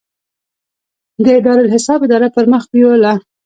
د دارالاحساب اداره پرمخ بیوله.